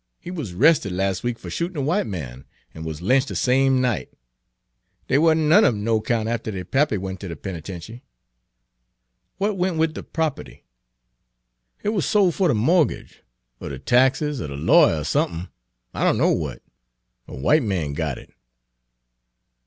He wuz 'rested las' week fer shootin' a w'ite man, an' wuz lynch' de same night. Dey wa'n't none of 'em no 'count after deir pappy went ter de penitenchy." "What went wid de proputty?" "Hit wuz sol' fer de mortgage, er de taxes, er de lawyer, er sump'n I don' know w'at. A w'ite man got it."